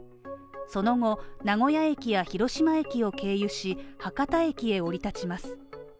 その後、名古屋駅や広島駅を経由し、博多駅へ降り立ちます